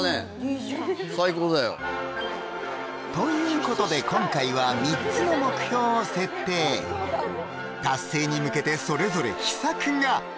最高だよということで今回は３つの目標を設定達成に向けてそれぞれ秘策が！